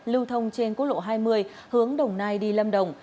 lưu thông trên quốc lộ hai mươi hướng đồng nai đi lâm đồng